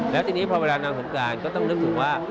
แล้วทีนี้พอเวลานางสงการก็ต้องนึกถึงว่า